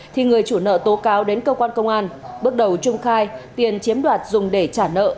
thì người chủ nợ tố cáo đến cơ quan công an bước đầu trung khai tiền chiếm đoạt dùng để trả nợ